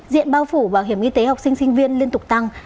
diện bao phủ bảo hiểm y tế học sinh sinh viên liên tục tăng